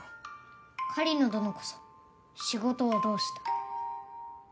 どのこそ仕事はどうした。